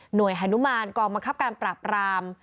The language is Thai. หน่วยฮานุมารกองมะครับการปรับราม